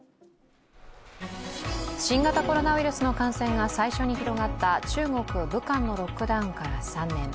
新型コロナウイルスの感染が最初に広がった中国・武漢のロックダウンから３年。